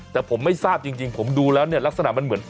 แต่ผมไม่ทราบจริงผมดูแล้วเนี่ยลักษณะมันเหมือน